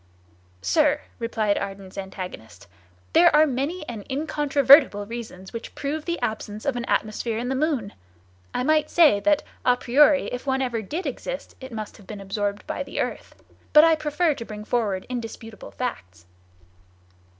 "Sir," replied Ardan's antagonist, "there are many and incontrovertible reasons which prove the absence of an atmosphere in the moon. I might say that, a priori, if one ever did exist, it must have been absorbed by the earth; but I prefer to bring forward indisputable facts."